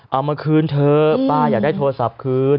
เอามาคืนเถอะป้าอยากได้โทรศัพท์คืน